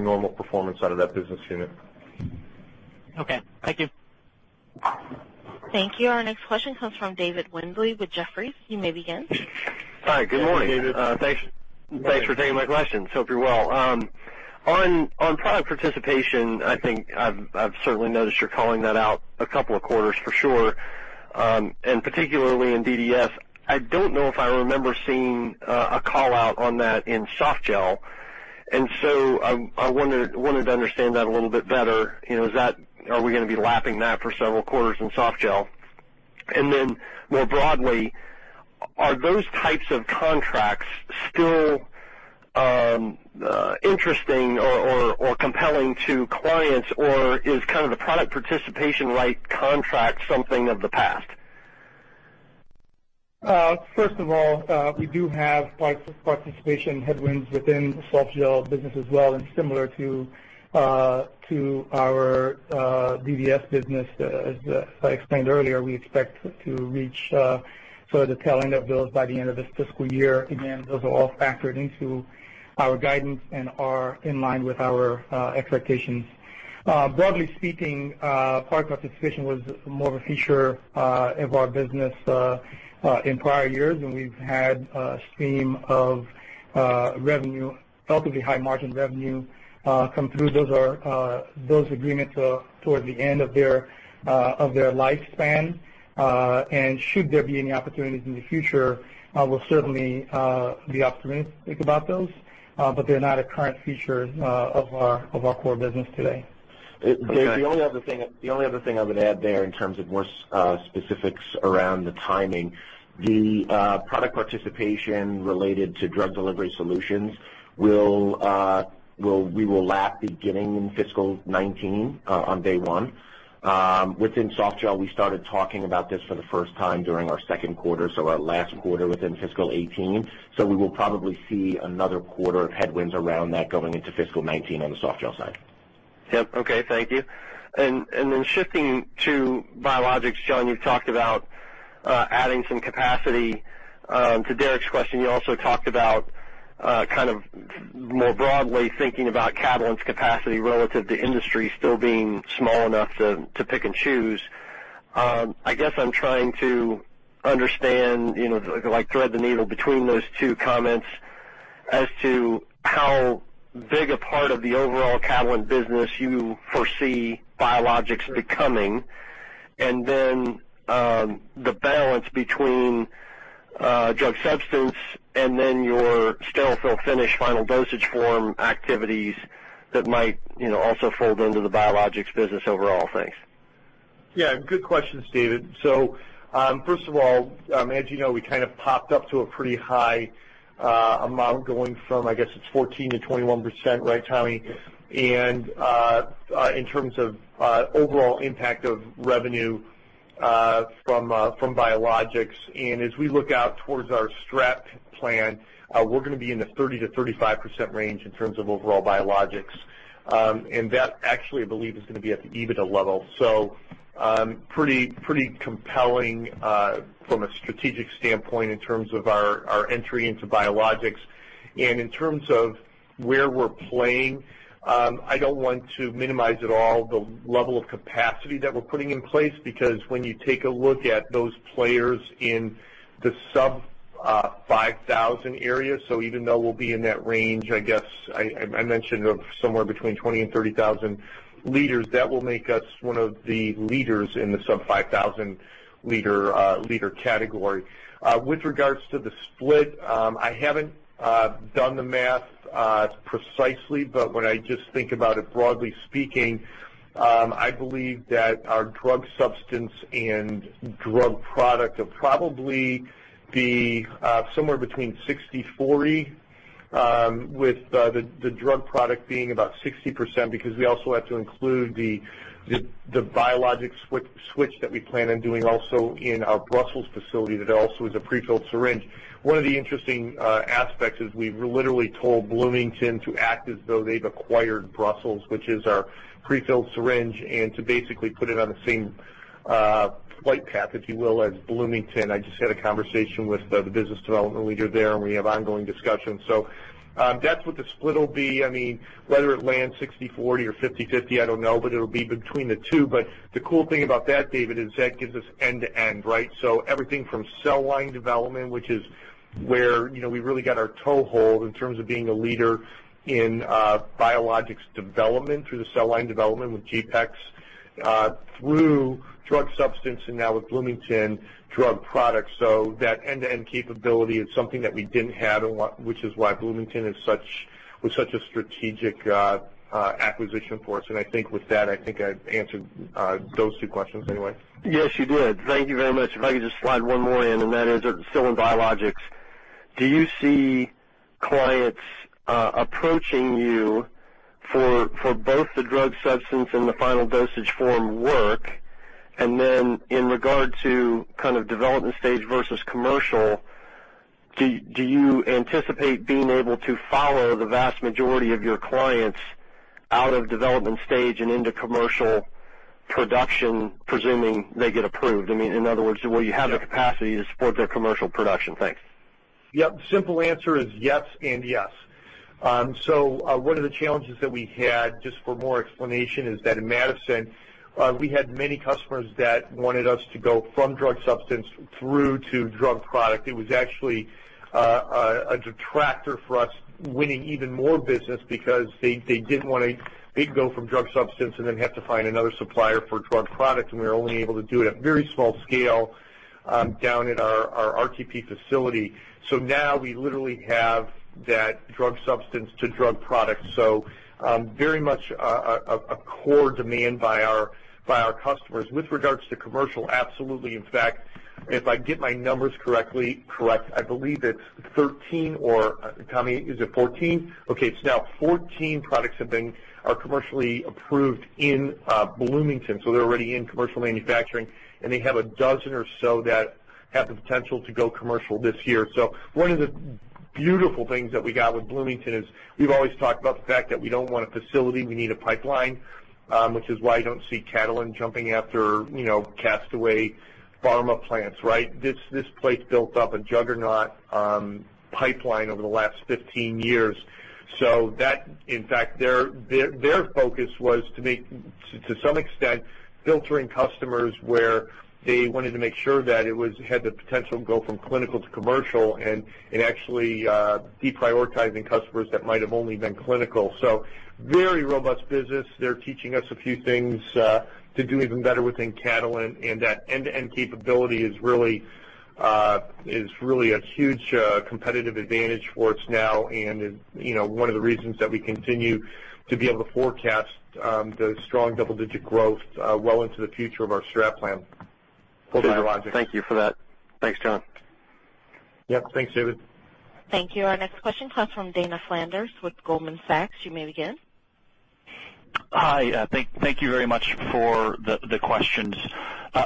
normal performance out of that business unit. Okay. Thank you. Thank you. Our next question comes from David Windley with Jefferies. You may begin. Hi. Good morning. Thanks for taking my questions. Hope you're well. On product participation, I think I've certainly noticed you're calling that out a couple of quarters for sure. And particularly in DDS, I don't know if I remember seeing a callout on that in soft gel. And so I wanted to understand that a little bit better. Are we going to be lapping that for several quarters in soft gel? Then more broadly, are those types of contracts still interesting or compelling to clients, or is kind of the product participation rate contract something of the past? First of all, we do have product participation headwinds within the softgel business as well. And similar to our DDS business, as I explained earlier, we expect to reach sort of the tail end of those by the end of this fiscal year. Again, those are all factored into our guidance and are in line with our expectations. Broadly speaking, product participation was more of a feature of our business in prior years. And we've had a stream of revenue, relatively high margin revenue, come through. Those agreements are towards the end of their lifespan. And should there be any opportunities in the future, we'll certainly be opportunistic about those. But they're not a current feature of our core business today. The only other thing I would add there in terms of more specifics around the timing, the product participation related to drug delivery solutions. We will lap beginning in fiscal 2019 on day one. Within softgel, we started talking about this for the first time during our second quarter, so our last quarter within fiscal 2018. So we will probably see another quarter of headwinds around that going into fiscal 2019 on the softgel side. Yep. Okay. Thank you. Then shifting to biologics, John, you've talked about adding some capacity. To Derek's question, you also talked about kind of more broadly thinking about Catalent's capacity relative to industry still being small enough to pick and choose. I guess I'm trying to understand, thread the needle between those two comments as to how big a part of the overall Catalent business you foresee biologics becoming, and then the balance between drug substance and then your sterile fill finish final dosage form activities that might also fold into the biologics business overall, thanks. Yeah. Good questions, David. So first of all, as you know, we kind of popped up to a pretty high amount going from, I guess it's 14%-21%, right, Tommy? And in terms of overall impact of revenue from biologics. And as we look out towards our strat plan, we're going to be in the 30%-35% range in terms of overall biologics. And that actually, I believe, is going to be at the EBITDA level. So pretty compelling from a strategic standpoint in terms of our entry into biologics. In terms of where we're playing, I don't want to minimize at all the level of capacity that we're putting in place because when you take a look at those players in the sub-5,000 area, so even though we'll be in that range, I guess I mentioned of somewhere between 20 and 30 thousand liters, that will make us one of the leaders in the sub-5,000 liter category. With regards to the split, I haven't done the math precisely, but when I just think about it broadly speaking, I believe that our drug substance and drug product will probably be somewhere between 60/40, with the drug product being about 60% because we also have to include the biologics switch that we plan on doing also in our Brussels facility that also is a prefilled syringe. One of the interesting aspects is we've literally told Bloomington to act as though they've acquired Brussels, which is our prefilled syringe, and to basically put it on the same flight path, if you will, as Bloomington. I just had a conversation with the business development leader there, and we have ongoing discussions. So that's what the split will be. I mean, whether it lands 60/40 or 50/50, I don't know, but it'll be between the two. But the cool thing about that, David, is that gives us end-to-end, right? So everything from cell line development, which is where we really got our toehold in terms of being a leader in biologics development through the cell line development with GPEx, through drug substance, and now with Bloomington drug products. So that end-to-end capability is something that we didn't have, which is why Bloomington was such a strategic acquisition for us. And I think with that, I think I've answered those two questions anyway. Yes, you did. Thank you very much. If I could just slide one more in, and that is that still in biologics, do you see clients approaching you for both the drug substance and the final dosage form work? And then in regard to kind of development stage versus commercial, do you anticipate being able to follow the vast majority of your clients out of development stage and into commercial production, presuming they get approved? I mean, in other words, will you have the capacity to support their commercial production? Thanks. Yep. Simple answer is yes and yes. So one of the challenges that we had, just for more explanation, is that in Madison, we had many customers that wanted us to go from drug substance through to drug product. It was actually a detractor for us winning even more business because they didn't want to go from drug substance and then have to find another supplier for drug product, and we were only able to do it at very small scale down at our RTP facility. So now we literally have that drug substance to drug product, so very much a core demand by our customers. With regards to commercial, absolutely. In fact, if I get my numbers correctly, I believe it's 13 or, Tommy, is it 14? Okay. It's now 14 products have been commercially approved in Bloomington. So they're already in commercial manufacturing, and they have a dozen or so that have the potential to go commercial this year, so one of the beautiful things that we got with Bloomington is we've always talked about the fact that we don't want a facility. We need a pipeline, which is why I don't see Catalent jumping after Cook Pharmica plants, right? This place built up a juggernaut pipeline over the last 15 years. So that, in fact, their focus was to make, to some extent, filtering customers where they wanted to make sure that it had the potential to go from clinical to commercial and actually deprioritizing customers that might have only been clinical. So very robust business. They're teaching us a few things to do even better within Catalent. And that end-to-end capability is really a huge competitive advantage for us now and is one of the reasons that we continue to be able to forecast the strong double-digit growth well into the future of our strat plan for biologics. Thank you for that. Thanks, John. Yep. Thanks, David. Thank you. Our next question comes from Dana Flanders with Goldman Sachs. You may begin. Hi. Thank you very much for the questions.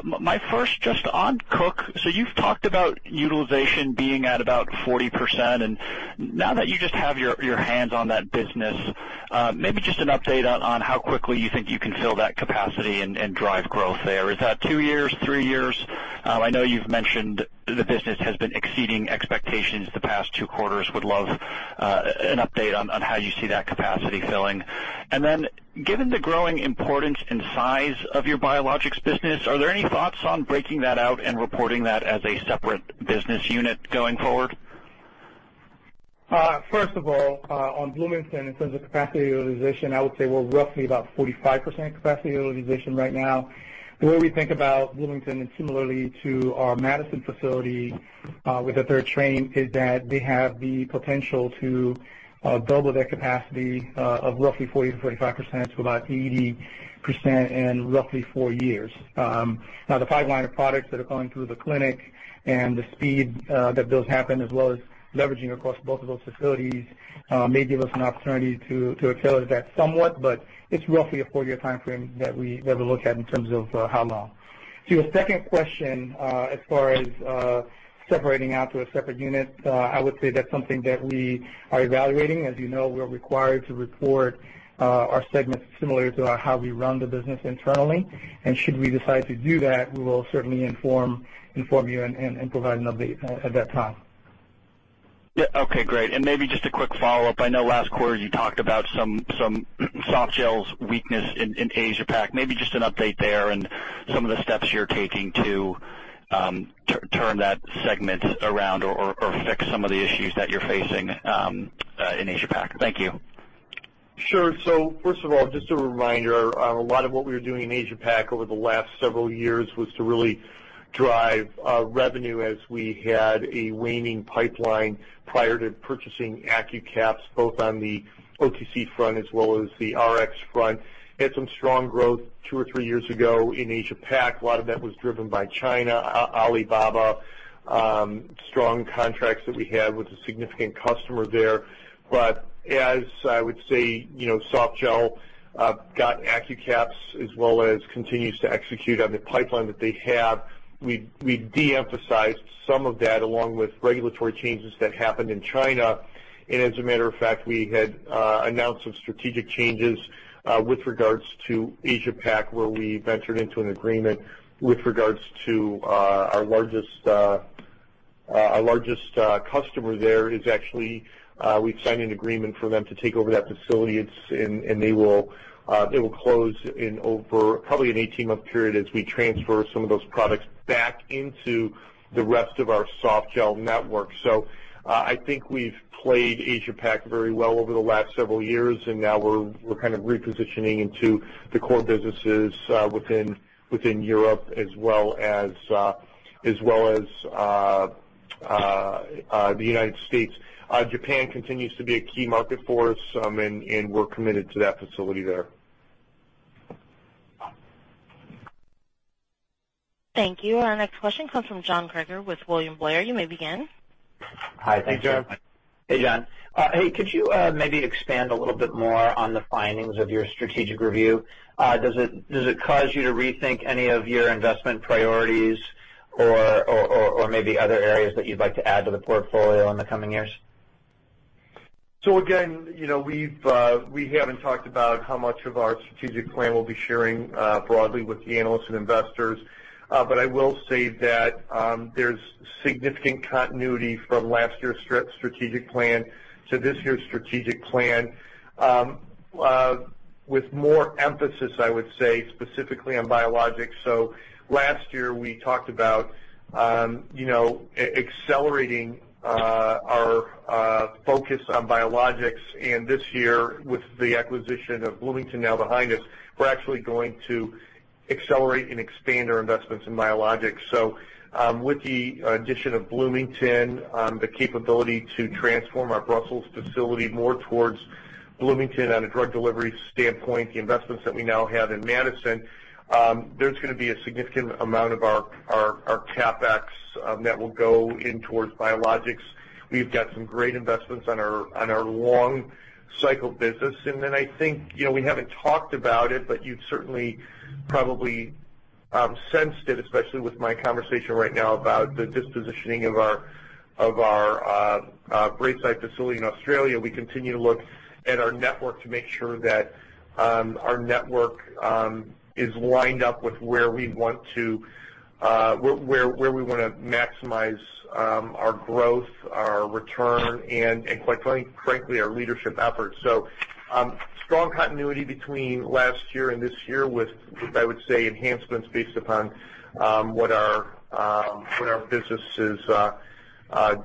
My first just on Cook. So you've talked about utilization being at about 40%. And now that you just have your hands on that business, maybe just an update on how quickly you think you can fill that capacity and drive growth there. Is that two years, three years? I know you've mentioned the business has been exceeding expectations the past two quarters. Would love an update on how you see that capacity filling. And then given the growing importance and size of your biologics business, are there any thoughts on breaking that out and reporting that as a separate business unit going forward? First of all, on Bloomington, in terms of capacity utilization, I would say we're roughly about 45% capacity utilization right now. The way we think about Bloomington and similarly to our Madison facility with a third train is that they have the potential to double their capacity of roughly 40%-45% to about 80% in roughly four years. Now, the pipeline of products that are going through the clinic and the speed that those happen, as well as leveraging across both of those facilities, may give us an opportunity to accelerate that somewhat. But it's roughly a four-year timeframe that we look at in terms of how long. To your second question, as far as separating out to a separate unit, I would say that's something that we are evaluating. As you know, we're required to report our segments similar to how we run the business internally. Should we decide to do that, we will certainly inform you and provide an update at that time. Yeah. Okay. Great. Maybe just a quick follow-up. I know last quarter you talked about some softgel's weakness in Asia-Pac. Maybe just an update there and some of the steps you're taking to turn that segment around or fix some of the issues that you're facing in Asia-Pac. Thank you. Sure. First of all, just a reminder, a lot of what we were doing in Asia-Pac over the last several years was to really drive revenue as we had a waning pipeline prior to purchasing AccuCaps, both on the OTC front as well as the Rx front. Had some strong growth two or three years ago in Asia-Pac. A lot of that was driven by China, Alibaba, strong contracts that we had with a significant customer there. As I would say, softgel got AccuCaps as well as continues to execute on the pipeline that they have. We de-emphasized some of that along with regulatory changes that happened in China. And as a matter of fact, we had announced some strategic changes with regards to Asia-Pac where we ventured into an agreement with regards to our largest customer there. Actually, we signed an agreement for them to take over that facility. And they will close in over probably an 18-month period as we transfer some of those products back into the rest of our softgel network. So I think we've played Asia-Pac very well over the last several years. And now we're kind of repositioning into the core businesses within Europe as well as the United States. Japan continues to be a key market for us. And we're committed to that facility there. Thank you. Our next question comes from John Kreger with William Blair. You may begin. Hi. Thank you, Hi John. Hey, John. Hey, could you maybe expand a little bit more on the findings of your strategic review? Does it cause you to rethink any of your investment priorities or maybe other areas that you'd like to add to the portfolio in the coming years? So again, we haven't talked about how much of our strategic plan we'll be sharing broadly with the analysts and investors. But I will say that there's significant continuity from last year's strategic plan to this year's strategic plan with more emphasis, I would say, specifically on biologics. So last year, we talked about accelerating our focus on biologics. And this year, with the acquisition of Bloomington now behind us, we're actually going to accelerate and expand our investments in biologics. So with the addition of Bloomington, the capability to transform our Brussels facility more towards Bloomington on a drug delivery standpoint, the investments that we now have in Madison, there's going to be a significant amount of our CapEx that will go in towards biologics. We've got some great investments on our long-cycle business. And then I think we haven't talked about it, but you've certainly probably sensed it, especially with my conversation right now about the dispositioning of our Braeside facility in Australia. We continue to look at our network to make sure that our network is lined up with where we want to maximize our growth, our return, and quite frankly, our leadership efforts. So strong continuity between last year and this year with, I would say, enhancements based upon what our business is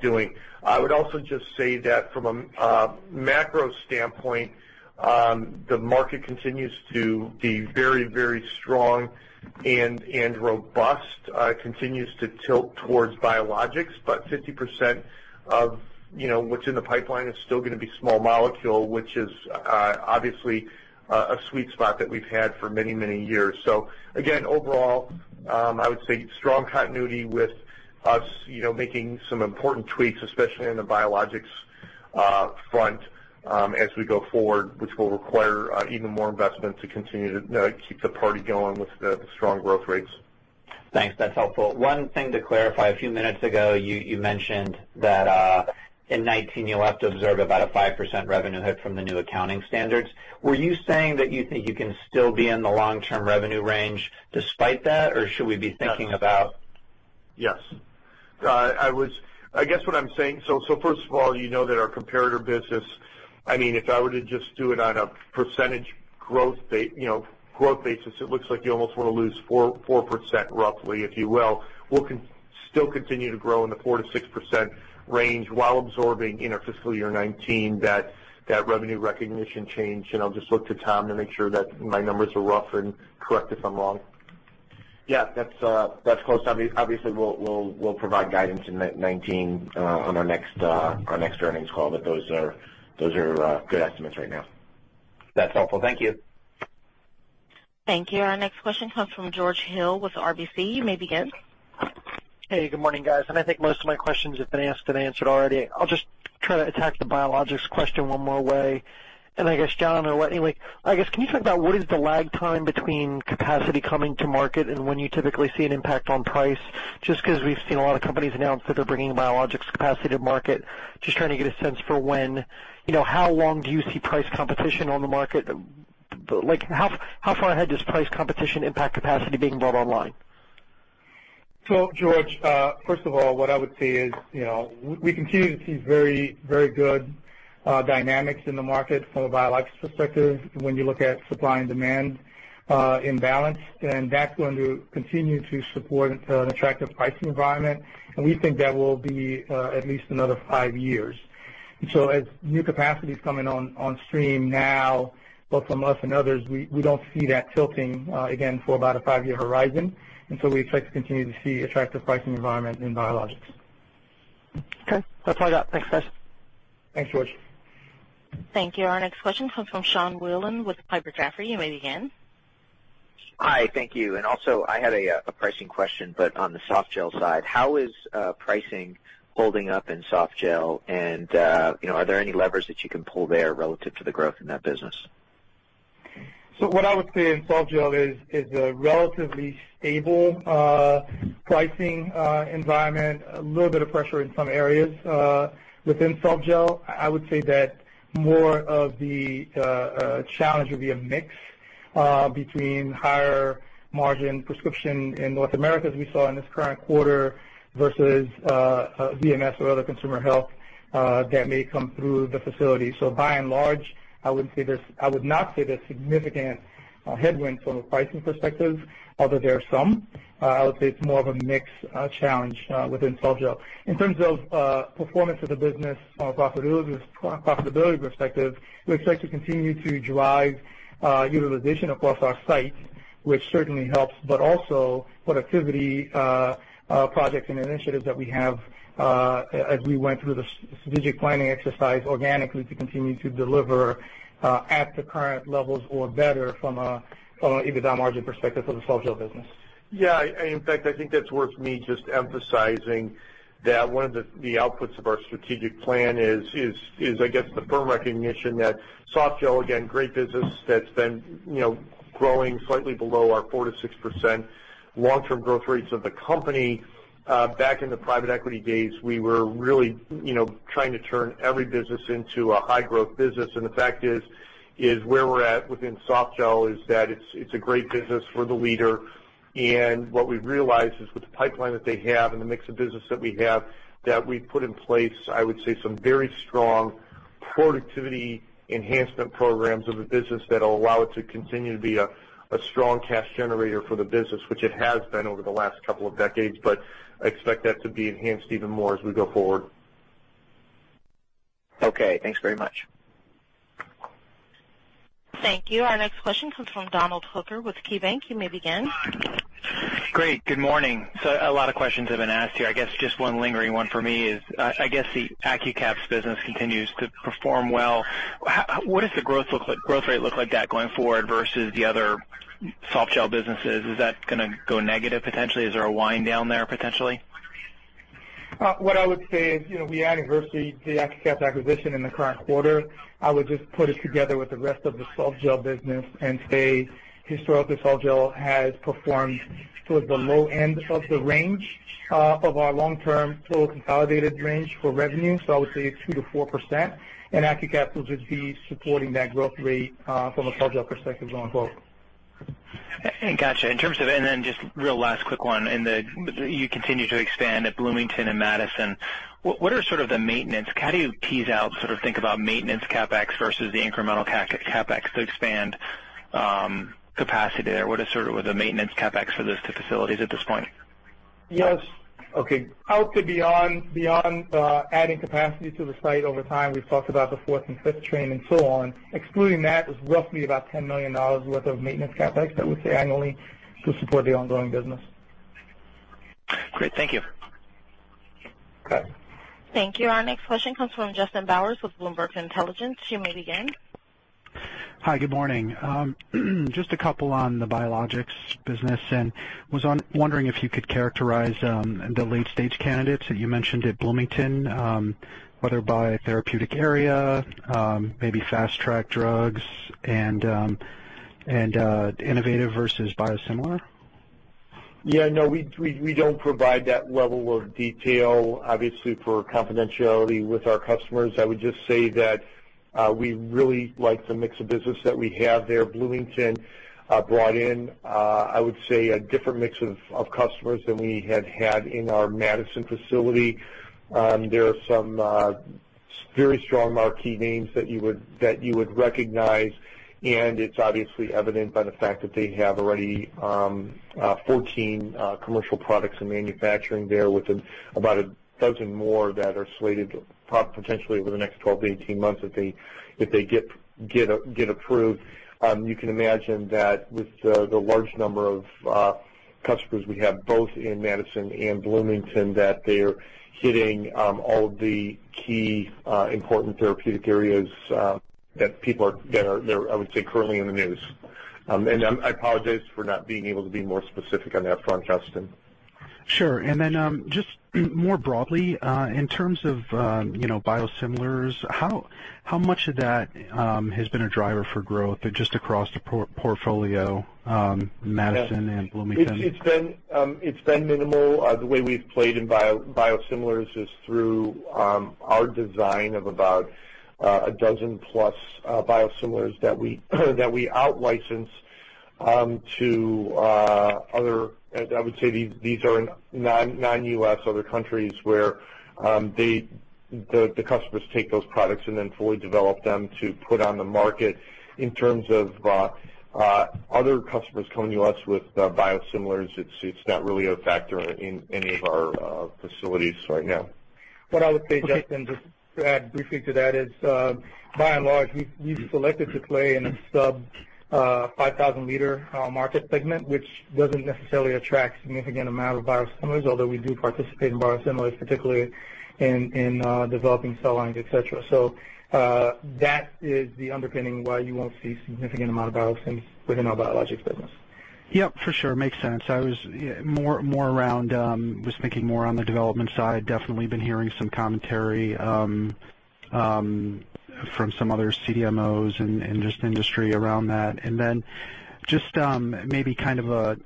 doing. I would also just say that from a macro standpoint, the market continues to be very, very strong and robust. It continues to tilt towards biologics. But 50% of what's in the pipeline is still going to be small molecule, which is obviously a sweet spot that we've had for many, many years. So again, overall, I would say strong continuity with us making some important tweaks, especially on the biologics front as we go forward, which will require even more investment to continue to keep the party going with the strong growth rates. Thanks. That's helpful. One thing to clarify. A few minutes ago, you mentioned that in 2019, you left to observe about a 5% revenue hit from the new accounting standards. Were you saying that you think you can still be in the long-term revenue range despite that, or should we be thinking about? Yes. I guess what I'm saying so first of all, you know that our comparator business. I mean, if I were to just do it on a percentage growth basis, it looks like you almost want to lose 4%. Roughly, if you will, we'll still continue to grow in the 4%-6% range while absorbing in our fiscal year 2019 that revenue recognition change. And I'll just look to Tom to make sure that my numbers are rough and correct if I'm wrong. Yeah. That's close. Obviously, we'll provide guidance in 2019 on our next earnings call, but those are good estimates right now. That's helpful. Thank you. Thank you. Our next question comes from George Hill with RBC. You may begin. Hey, good morning, guys, and I think most of my questions have been asked and answered already. I'll just try to attack the biologics question one more way. And I guess, John, or anyway, I guess, can you talk about what is the lag time between capacity coming to market and when you typically see an impact on price? Just because we've seen a lot of companies announce that they're bringing biologics capacity to market, just trying to get a sense for when, how long do you see price competition on the market? How far ahead does price competition impact capacity being brought online? So George, first of all, what I would say is we continue to see very good dynamics in the market from a biologics perspective when you look at supply and demand imbalance. And that's going to continue to support an attractive pricing environment. And we think that will be at least another five years. So as new capacity is coming on stream now, both from us and others, we don't see that tilting again for about a five-year horizon. And so we expect to continue to see attractive pricing environment in biologics. Okay. That's all I got. Thanks, guys. Thanks, George. Thank you. Our next question comes from Sean Wieland with Piper Jaffray. You may begin. Hi. Thank you. And also, I had a pricing question, but on the softgel side, how is pricing holding up in softgel? And are there any levers that you can pull there relative to the growth in that business? So what I would say in softgel is a relatively stable pricing environment, a little bit of pressure in some areas within softgel. I would say that more of the challenge would be a mix between higher margin prescription in North America as we saw in this current quarter versus VMS or other consumer health that may come through the facility. So by and large, I wouldn't say there's significant headwinds from a pricing perspective, although there are some. I would say it's more of a mixed challenge within softgel. In terms of performance of the business from a profitability perspective, we expect to continue to drive utilization across our site, which certainly helps, but also productivity projects and initiatives that we have as we went through the strategic planning exercise organically to continue to deliver at the current levels or better from an EBITDA margin perspective for the softgel business. Yeah. In fact, I think that's worth me just emphasizing that one of the outputs of our strategic plan is, I guess, the firm recognition that soft gel, again, great business that's been growing slightly below our 4%-6% long-term growth rates of the company. Back in the private equity days, we were really trying to turn every business into a high-growth business. And the fact is, where we're at within soft gel is that it's a great business. We're the leader. And what we've realized is with the pipeline that they have and the mix of business that we have that we've put in place, I would say, some very strong productivity enhancement programs of the business that will allow it to continue to be a strong cash generator for the business, which it has been over the last couple of decades. But I expect that to be enhanced even more as we go forward. Okay. Thanks very much. Thank you. Our next question comes from Donald Hooker with KeyBanc Capital Markets. You may begin. Great. Good morning. So a lot of questions have been asked here. I guess just one lingering one for me is, I guess, the AccuCaps business continues to perform well. What does the growth rate look like that going forward versus the other soft gel businesses? Is that going to go negative potentially? Is there a wind down there potentially? What I would say is we had adversity, the AccuCaps acquisition in the current quarter. I would just put it together with the rest of the soft gel business and say, historically, soft gel has performed towards the low end of the range of our long-term total consolidated range for revenue. So I would say 2%-4%. AccuCaps will just be supporting that growth rate from a softgel perspective, going forward. Gotcha. And then just real last quick one. You continue to expand at Bloomington and Madison. What are sort of the maintenance? How do you tease out sort of think about maintenance CapEx versus the incremental CapEx to expand capacity there? What are sort of the maintenance CapEx for those two facilities at this point? Yes. Okay. I would say beyond adding capacity to the site over time, we've talked about the fourth and fifth train and so on. Excluding that, it's roughly about $10 million worth of maintenance CapEx that we pay annually to support the ongoing business. Great. Thank you. Okay. Thank you. Our next question comes from Justin Bowers with Bloomberg Intelligence. You may begin. Hi. Good morning. Just a couple on the biologics business. And was wondering if you could characterize the late-stage candidates that you mentioned at Bloomington, whether by therapeutic area, maybe fast-track drugs, and innovative versus biosimilar? Yeah. No, we don't provide that level of detail, obviously, for confidentiality with our customers. I would just say that we really like the mix of business that we have there. Bloomington brought in, I would say, a different mix of customers than we had had in our Madison facility. There are some very strong marquee names that you would recognize. And it's obviously evident by the fact that they have already 14 commercial products in manufacturing there with about a dozen more that are slated potentially over the next 12-18 months if they get approved. You can imagine that with the large number of customers we have both in Madison and Bloomington, that they're hitting all of the key important therapeutic areas that people are, I would say, currently in the news. And I apologize for not being able to be more specific on that front, Justin. Sure. And then just more broadly, in terms of biosimilars, how much of that has been a driver for growth just across the portfolio, Madison and Bloomington? It's been minimal. The way we've played in biosimilars is through our design of about a dozen-plus biosimilars that we out-license to other—I would say these are non-US, other countries where the customers take those products and then fully develop them to put on the market. In terms of other customers coming to us with biosimilars, it's not really a factor in any of our facilities right now. What I would say, Justin, just to add briefly to that is, by and large, we've selected to play in a sub-5,000-liter market segment, which doesn't necessarily attract a significant amount of biosimilars, although we do participate in biosimilars, particularly in developing cell lines, etc. So that is the underpinning why you won't see a significant amount of biosimilars within our biologics business. Yep. For sure. Makes sense. I was more around - was thinking more on the development side. Definitely been hearing some commentary from some other CDMOs and just industry around that. And then just maybe kind of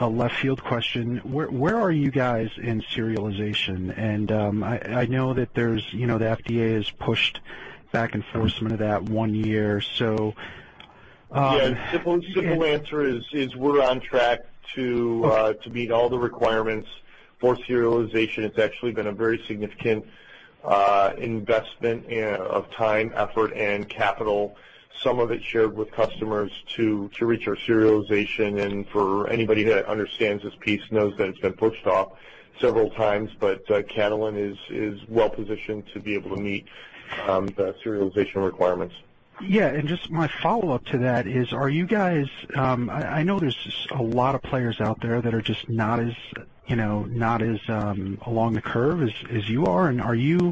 a left-field question. Where are you guys in serialization? And I know that the FDA has pushed back and forth some of that one year. So yeah. Simple answer is we're on track to meet all the requirements for serialization. It's actually been a very significant investment of time, effort, and capital, some of it shared with customers to reach our serialization. For anybody that understands this piece knows that it's been pushed off several times. Catalent is well-positioned to be able to meet the serialization requirements. Yeah. Just my follow-up to that is, are you guys—I know there's a lot of players out there that are just not as along the curve as you are. Are you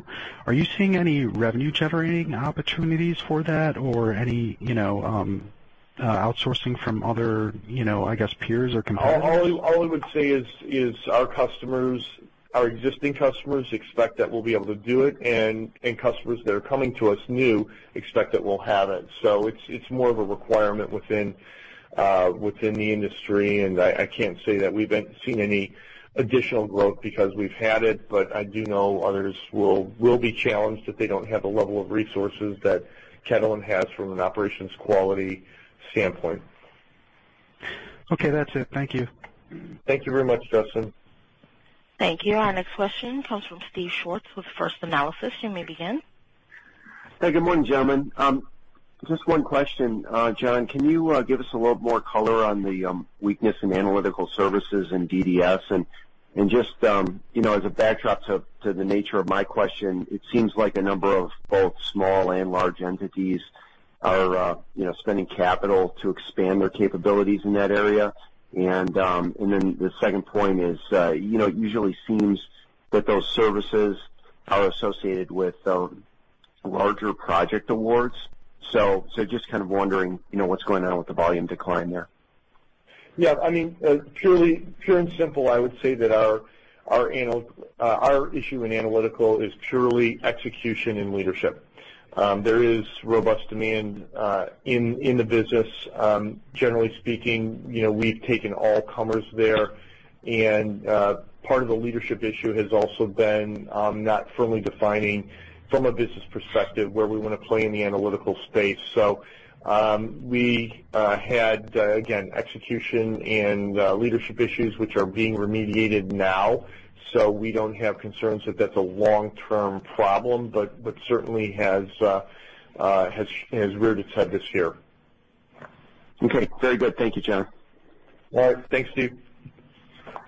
seeing any revenue-generating opportunities for that or any outsourcing from other, I guess, peers or competitors? All we would say is our existing customers expect that we'll be able to do it. Customers that are coming to us new expect that we'll have it. It's more of a requirement within the industry. I can't say that we've seen any additional growth because we've had it. But I do know others will be challenged if they don't have the level of resources that Catalent has from an operations quality standpoint. Okay. That's it. Thank you. Thank you very much, Justin. Thank you. Our next question comes from Steve Schwartz with First Analysis. You may begin. Hi. Good morning, gentlemen. Just one question, John. Can you give us a little more color on the weakness in analytical services and DDS? And just as a backdrop to the nature of my question, it seems like a number of both small and large entities are spending capital to expand their capabilities in that area. And then the second point is it usually seems that those services are associated with larger project awards. So just kind of wondering what's going on with the volume decline there. Yeah. I mean, pure and simple, I would say that our issue in analytical is purely execution and leadership. There is robust demand in the business. Generally speaking, we've taken all comers there, and part of the leadership issue has also been not firmly defining, from a business perspective, where we want to play in the analytical space. So we had, again, execution and leadership issues which are being remediated now. So we don't have concerns that that's a long-term problem, but certainly has reared its head this year. Okay. Very good. Thank you, John. All right. Thanks, Steve.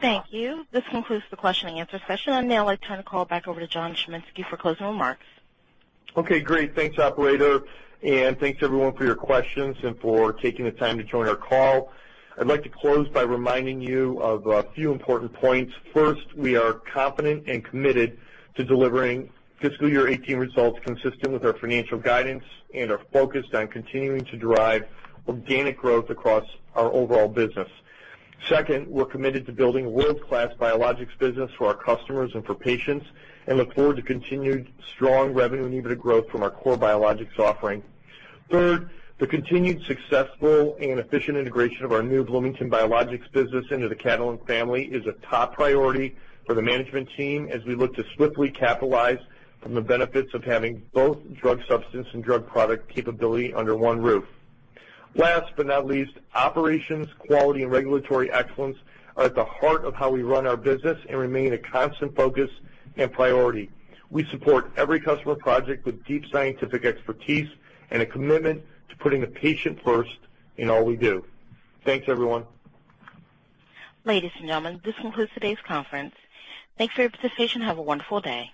Thank you. This concludes the question-and-answer session, and now I'd like to turn the call back over to John Chiminski for closing remarks. Okay. Great. Thanks, operator. And thanks, everyone, for your questions and for taking the time to join our call. I'd like to close by reminding you of a few important points. First, we are confident and committed to delivering fiscal year 2018 results consistent with our financial guidance and are focused on continuing to drive organic growth across our overall business. Second, we're committed to building a world-class biologics business for our customers and for patients and look forward to continued strong revenue and even growth from our core biologics offering. Third, the continued successful and efficient integration of our new Bloomington biologics business into the Catalent family is a top priority for the management team as we look to swiftly capitalize from the benefits of having both drug substance and drug product capability under one roof. Last but not least, operations, quality, and regulatory excellence are at the heart of how we run our business and remain a constant focus and priority. We support every customer project with deep scientific expertise and a commitment to putting the patient first in all we do. Thanks, everyone. Ladies and gentlemen, this concludes today's conference. Thanks for your participation. Have a wonderful day.